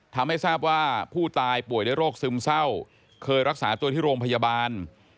ทำให้ทราบว่าผู้ตายป่วยด้วยโรคซึมเศร้าเคยรักษาตัวที่โรงพยาบาล